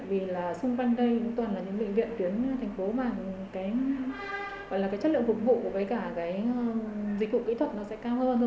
vì xung quanh đây cũng toàn là những bệnh viện tuyến thành phố mà chất lượng phục vụ với dịch vụ kỹ thuật sẽ cao hơn